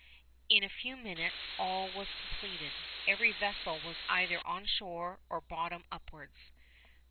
In a few minutes all was completed—every vessel was either on shore or bottom upwards.